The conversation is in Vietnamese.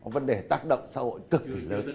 vấn đề tác động xã hội cực kỳ lớn